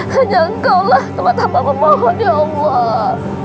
hanya engkau lah teman teman memohon ya allah